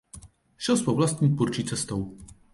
Šel svou vlastní tvůrčí cestou.